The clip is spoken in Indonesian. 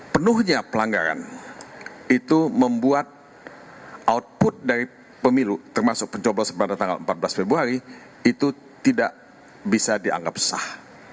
penuhnya pelanggaran itu membuat output dari pemilu termasuk pencoblosan pada tanggal empat belas februari itu tidak bisa dianggap sah